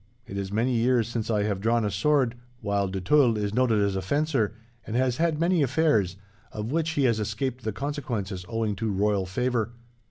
It is many years since I have drawn a sword, while de Tulle is noted as a fencer, and has had many affairs, of which he has escaped the consequences owing to royal favour.